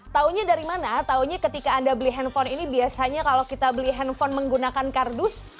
tahunya dari mana taunya ketika anda beli handphone ini biasanya kalau kita beli handphone menggunakan kardus